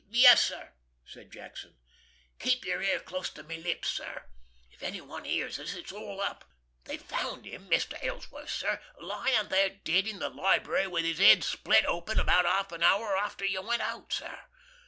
"Yes, sir," said Jackson. "Keep your ear close to my lips, sir If anyone hears us, it's all up. They found him, Mr. Ellsworth, sir, lying there dead in the library with his head split open, about half an hour after you went out, sir.